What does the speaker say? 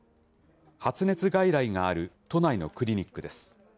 発熱外来がある都内のクリニックです。